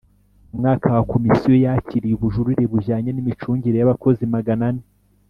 mu mwaka wa komisiyo yakiriye ubujurire bujyanye n imicungire y abakozi magana ane